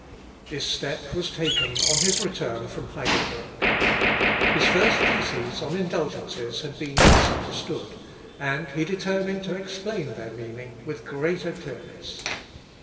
This step was taken on his return from Heidelberg. His first theses on indulgences had been misunderstood, and he determined to explain their meaning with greater clearness.